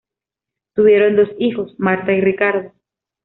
Tuvieron dos hijos, Marta y Ricardo.